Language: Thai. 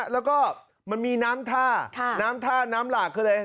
แล้วก็มันมีน้ำท่าน้ำท่าน้ำหลากเขาเลย